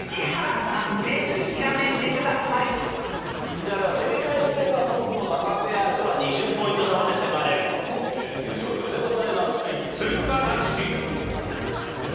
宇治原が正解すればトップのタカペアとは２０ポイント差まで迫れるという状況でございます。